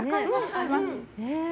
買います。